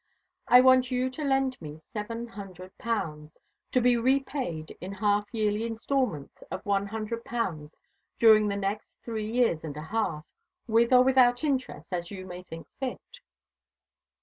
"I want you to lend me seven hundred pounds, to be repaid in half yearly instalments of one hundred pounds during the next three years and a half, with or without interest, as you may think fit."